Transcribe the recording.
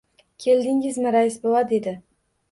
— Keldingizmi, rais bova? — dedi.